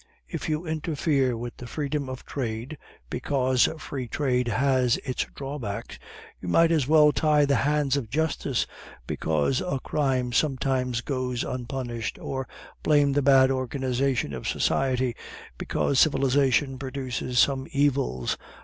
If you interfere with the freedom of trade, because free trade has its drawbacks, you might as well tie the hands of justice because a crime sometimes goes unpunished, or blame the bad organization of society because civilization produces some evils.